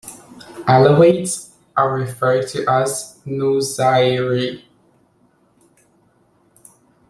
Alawaites, are referred to as 'Nusayri'.